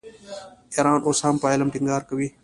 ایران اوس هم په علم ټینګار کوي.